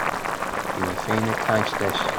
Bhí mé féin ag caint leis